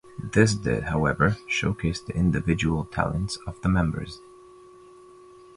This did, however, showcase the individual talents of the members.